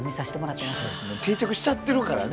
もう定着しちゃってるからね。